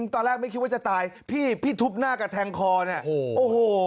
ตอนแรกไม่คิดว่าจะตายพี่พี่ทุบหน้ากระแทงคอเนี่ยโอ้โห